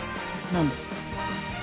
何で？